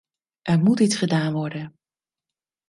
Er moet iets gedaan worden.